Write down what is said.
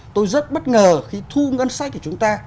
tôi rất bất ngờ khi thu ngân sách của chúng ta